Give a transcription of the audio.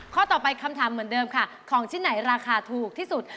ข้อต่อไปคำถามเหมือนเดิมค่ะของชิ้นไหนราคาถูกที่สุด